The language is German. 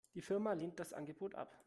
Die Firma lehnte das Angebot ab.